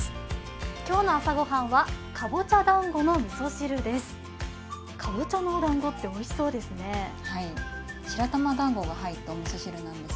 今日の朝御飯はかぼちゃだんごのみそ汁です。